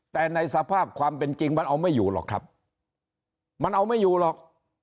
แต่ในสภาพความเป็นจริงมันเอาไม่อยู่หรอกครับมันเอาไม่อยู่หรอก